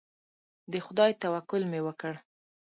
د خدای توکل مې وکړ.